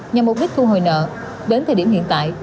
nhằm mục đích thu hồi nợ đến thời điểm hiện tại